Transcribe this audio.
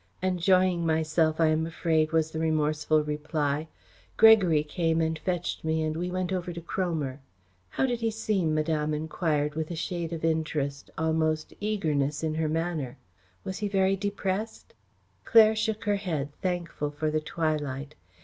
"Enjoying myself, I am afraid," was the remorseful reply. "Gregory came and fetched me and we went over to Cromer." "How did he seem?" Madame enquired, with a shade of interest, almost eagerness, in her manner. "Was he very depressed?" Claire shook her head, thankful for the twilight.